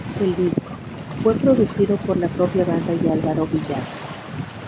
El disco, fue producido por la propia banda y Álvaro Villagra.